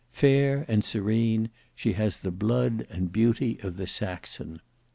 Fair and serene, she has the blood and beauty of the Saxon.